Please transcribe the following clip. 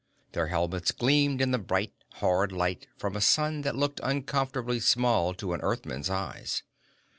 Their helmets gleamed in the bright, hard light from a sun that looked uncomfortably small to an Earthman's eyes.